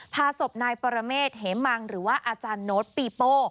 พาศพนายปรเมษเหมังหรือว่าอาจารย์โน้ตปีโป้